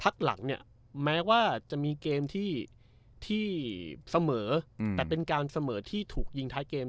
หลังเนี่ยแม้ว่าจะมีเกมที่เสมอแต่เป็นการเสมอที่ถูกยิงท้ายเกม